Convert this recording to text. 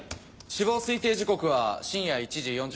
死亡推定時刻は深夜１時４５分。